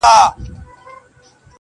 د دوى مخي ته لاسونه پرې كېدله؛